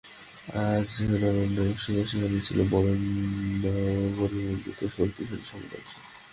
আজ যেখানে অরণ্য, এক সময়ে সেখানেই ছিল বড় বড় নগরীমণ্ডিত শক্তিশালী সাম্রাজ্য।